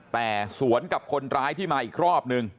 แต่สวนกับคนร้ายที่มาอีกรอบนึง